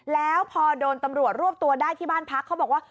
แล้วพอโดนตำรวจรวบตัวได้ที่บ้านพักเขาบอกว่า